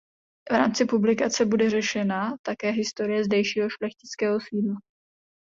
V rámci publikace bude řešena také historie zdejšího šlechtického sídla.